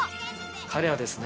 彼はですね